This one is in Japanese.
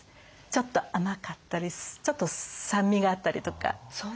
ちょっと甘かったりちょっと酸味があったりとか。